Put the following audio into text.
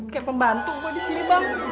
kayak pembantu gue di sini bang